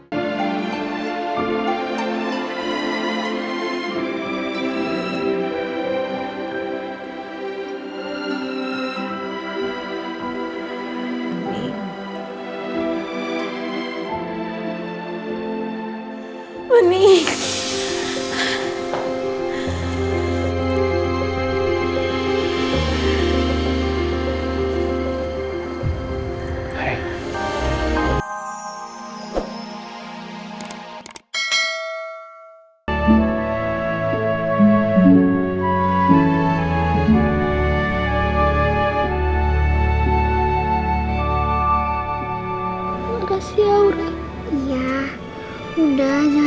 sampai jumpa di video selanjutnya